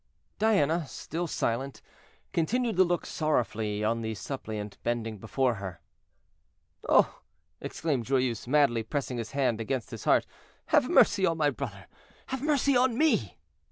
Diana, still silent, continued to look sorrowfully on the suppliant bending before her. "Oh!" exclaimed Joyeuse, madly pressing his hand against his heart, "have mercy on my brother, have mercy on me!"